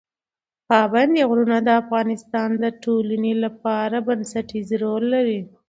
پابندي غرونه د افغانستان د ټولنې لپاره بنسټیز رول لري.